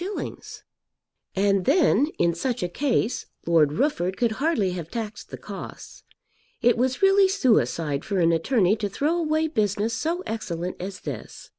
_ And then, in such a case, Lord Rufford could hardly have taxed the costs. It was really suicide for an attorney to throw away business so excellent as this.